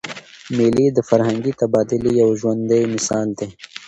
مېلې د فرهنګي تبادلې یو ژوندى مثال دئ.